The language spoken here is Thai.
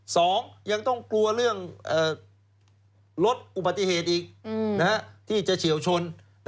สองยังต้องกลัวเรื่องรถอุบัติเหตุอีกที่จะเฉียวชน